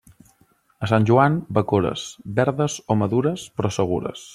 A Sant Joan, bacores; verdes o madures, però segures.